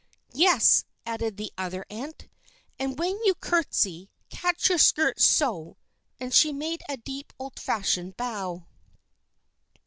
"Yes," added the other aunt, "and when you courtesy, catch your skirts, so," and she made a deep old fashioned bow.